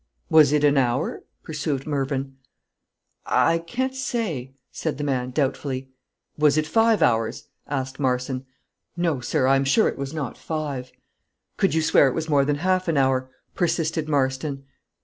"Was it an hour?" pursued Mervyn. "I can't say," said the man, doubtfully. "Was it five hours?" asked Marston. "No, Sir; I am sure it was not five." "Could you swear it was more than half an hour?" persisted Marston.